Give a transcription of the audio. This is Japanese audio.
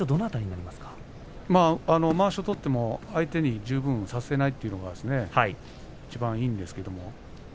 まわしを取っても相手に十分差せないというのはいちばんいいんですけど。